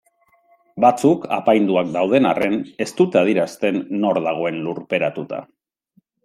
Batzuk, apainduak dauden arren, ez dute adierazten nor dagoen lurperatuta.